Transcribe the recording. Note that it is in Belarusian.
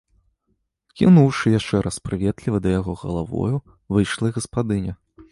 Кіўнуўшы яшчэ раз прыветліва да яго галавою, выйшла і гаспадыня.